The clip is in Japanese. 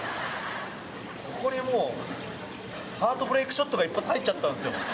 ここにもうハートブレイクショットが１発入っちゃったんですよ。